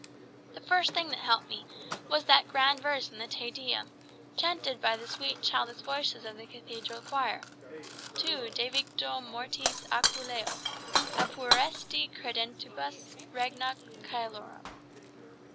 The first thing that helped me was that grand verse in the Te Deum, chanted by the sweet childish voices of the Cathedral choir 'Tu, devicto mortis aculeo, aperuesti credentibus regna coelorum.